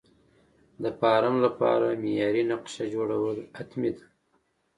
د فارم لپاره معیاري نقشه جوړول حتمي ده.